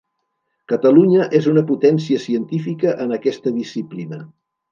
Catalunya és una potència científica en aquesta disciplina.